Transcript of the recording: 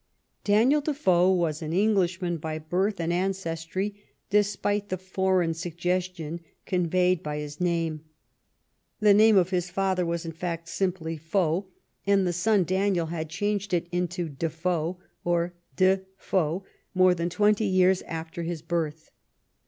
Daniel Defoe was an Englishman by birth and an cestry, despite the foreign suggestion conveyed by his name. The name of his father was, in fact, simply Foe, and the son Daniel had changed it into Defoe or De Foe more than twenty years after his birth.